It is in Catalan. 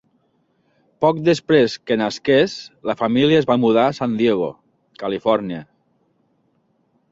Poc després que nasqués, la família es va mudar a San Diego, Califòrnia.